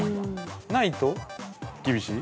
◆ないと厳しい？